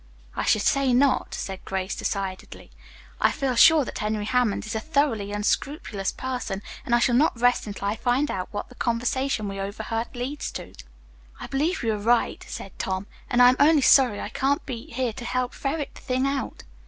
"I should say not," said Grace decidedly. "I feel sure that Henry Hammond is a thoroughly unscrupulous person, and I shall not rest until I find out what the conversation we overheard leads to." "I believe you are right," said Tom, "and I'm only sorry I can't be here to help ferret the thing out."